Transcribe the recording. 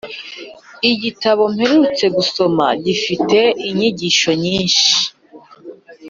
Igitabo mperutse gusoma gifite inyigisho nyinshi